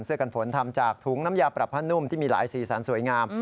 กันฝนทำจากถุงน้ำยาปรับผ้านุ่มที่มีหลายสีสันสวยงาม